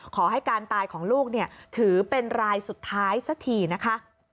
ขอให้การตายของลูกถือเป็นรายสุดท้ายสักทีนะคะ